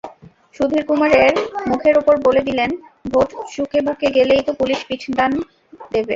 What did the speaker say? সুধীরকুমারের মুখের ওপর বলে দিলেন, ভোট চুকেবুকে গেলেই তো পুলিশ পিঠটান দেবে।